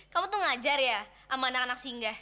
kamu tuh ngajar ya sama anak anak singgah